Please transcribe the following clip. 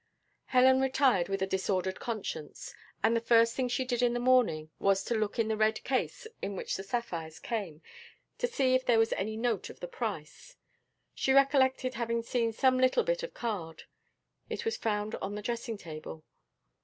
Helen retired with a disordered conscience; and the first thing she did in the morning was to look in the red case in which the sapphires came, to see if there was any note of their price; she recollected having seen some little bit of card it was found on the dressing table.